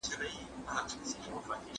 عشق د انسان په ژوند کې انقلاب راولي.